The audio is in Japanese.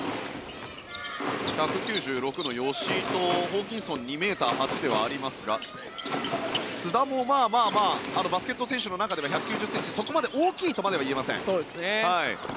１９６の吉井とホーキンソン２ｍ８ではありますが須田も、まあまあバスケット選手の中では１９０ｃｍそこまで大きいとは言えません。